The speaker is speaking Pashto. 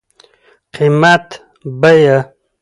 قيمت √ بيه